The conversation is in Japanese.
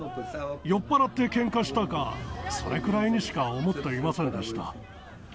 酔っぱらって、けんかしたか、それぐらいにしか思っていませんでした。